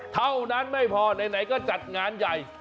เท่านั้นไม่พอไหนก็จัดงานใหญ่